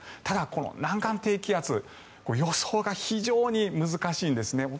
ただ、南岸低気圧予想が非常に難しいんですね。